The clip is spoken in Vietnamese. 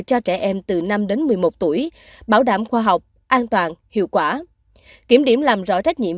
cho trẻ em từ năm đến một mươi một tuổi bảo đảm khoa học an toàn hiệu quả kiểm điểm làm rõ trách nhiệm